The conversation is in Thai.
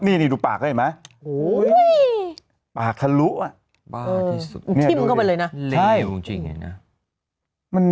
นี่ดูปากเห็นไหม